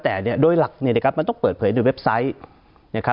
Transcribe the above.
แต่โดยหลักมันต้องเปิดเผยโดยเว็บไซต์นะครับ